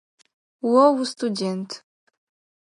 О устудэнт.